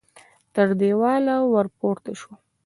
تر دېواله ور پورته شو.